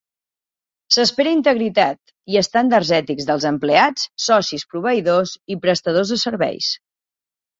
S'espera integritat i estàndards ètics dels empleats, socis, proveïdors i prestadors de serveis.